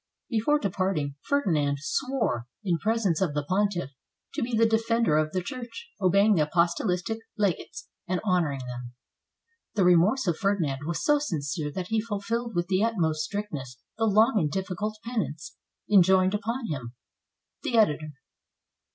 Before departing, Ferdinand swore, in presence of the pontiff, to be the defender of the Church, obeying the apostolic legates, and honoring them. [The remorse of Ferdinand was so sincere that he fulfilled with the utmost strictness the long and difficult penance enjoined upon him. The Editor.